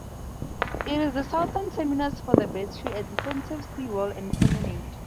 It is the southern terminus for the Battery, a defensive seawall and promenade.